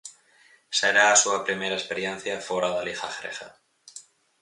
Será a súa primeira experiencia fóra da Liga grega.